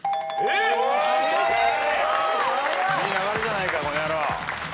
いい流れじゃないかこの野郎。